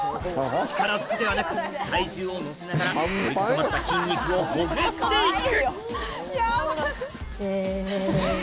力ずくではなく体重を乗せながら凝り固まった筋肉をほぐしていく！